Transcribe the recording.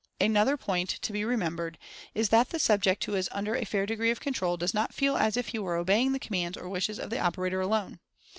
Another point to be remembered is that the subject who is under a fair degree of control does not feel as if he were obeying the commands or wishes of the operator alone.